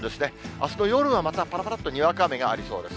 あすの夜はまたぱらぱらっとにわか雨がありそうです。